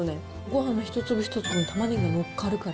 ごはん一粒一粒にたまねぎがのっかるから。